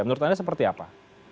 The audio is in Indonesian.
menurut anda seperti apa